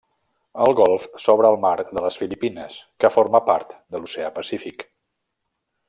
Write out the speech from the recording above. El golf s'obre al mar de les Filipines, que forma part de l'oceà Pacífic.